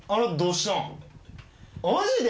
マジで！？